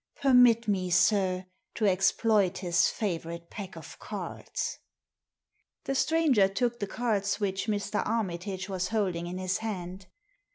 Permit me, sir, to exploit his favourite pack of cards." The stranger took the cards which Mr. Armitage was holding in his hand.